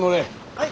はい。